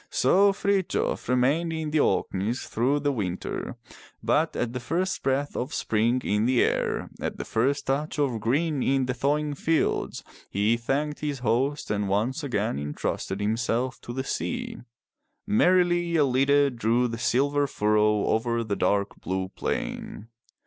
'' So Frithjof remained in the Orkneys through the winter, but at the first breath of spring in the air, at the first touch of green in the thawing fields, he thanked his host and once again entrusted himself to the sea. Merrily EUide drew the silver furrow over the dark blue plain.